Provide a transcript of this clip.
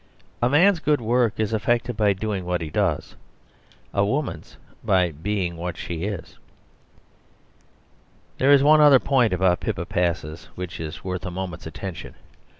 A man's good work is effected by doing what he does, a woman's by being what she is. There is one other point about Pippa Passes which is worth a moment's attention.